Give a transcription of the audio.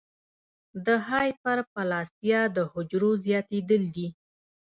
د هایپرپلاسیا د حجرو زیاتېدل دي.